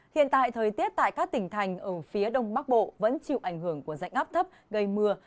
hiện tại thời tiết tại các tỉnh thành ở phía đông bắc bộ vẫn chịu ảnh hưởng của dạnh áp thấp gây mưa